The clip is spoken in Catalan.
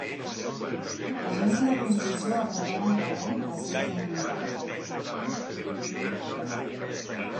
L'agència de construcció va preparar un terreny per al seu desenvolupament.